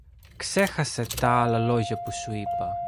Ξέχασε τ' άλλα λόγια που σου είπα.